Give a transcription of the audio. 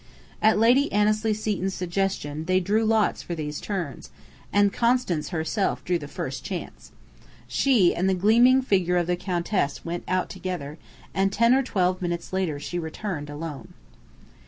At Lady Annesley Seton's suggestion they drew lots for these turns, and Constance herself drew the first chance. She and the gleaming figure of the Countess went out together, and ten or twelve minutes later she returned alone.